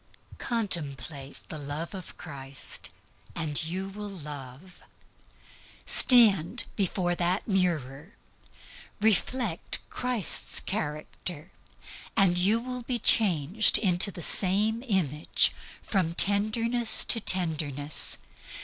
Contemplate the love of Christ, and you will love. Stand before that mirror, reflect Christ's character, and you will be changed into the same image from tenderness to tenderness.